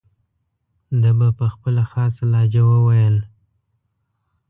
ده به په خپله خاصه لهجه وویل.